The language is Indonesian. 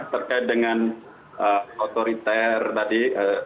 terkait dengan otoriter tadi